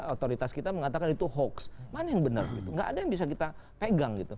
otoritas kita mengatakan itu hoax mana yang benar tidak ada yang bisa kita pegang